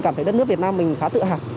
cảm thấy đất nước việt nam mình khá tự hào